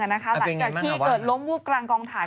หลังจากที่เกิดล้มวูบกลางกองถ่าย